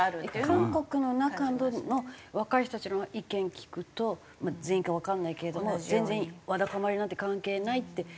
韓国の中の若い人たちの意見聞くと全員かわかんないけれども全然わだかまりなんて関係ないって。